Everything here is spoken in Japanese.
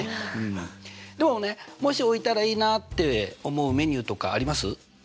でもねもし置いたらいいなって思うメニューとかあります？